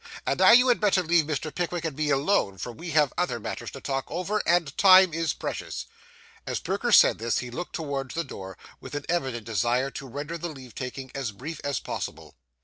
And now you had better leave Mr. Pickwick and me alone, for we have other matters to talk over, and time is precious.' As Perker said this, he looked towards the door, with an evident desire to render the leave taking as brief as possible.